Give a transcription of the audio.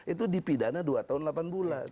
itu dipidana dua tahun delapan bulan